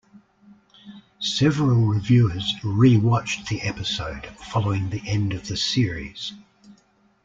Several reviewers re-watched the episode following the end of the series.